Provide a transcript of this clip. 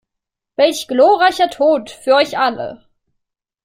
Welch glorreicher Tod für euch alle!